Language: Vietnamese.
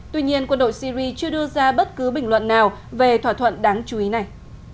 tuy nhiên quân đội syri chưa đưa ra bất cứ bình luận nào về thỏa thuận đáng chú ý này